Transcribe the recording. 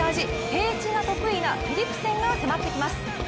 平地が得意なフィリプセンが迫ってきます。